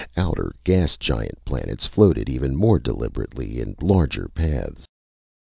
Outer, gas giant planets floated even more deliberately in larger paths.